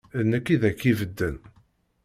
D nekk i ak-ibedden.